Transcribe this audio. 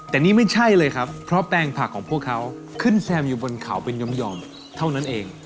แต่นี่ไม่ใช่เลยครับเพราะแปลงผักของพวกเขาขึ้นแซมอยู่บนเขาเป็นยอมเท่านั้นเอง